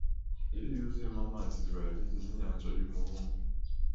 Iyo yuzuyemo amazi ibibaya bigize inyanja yumubumbe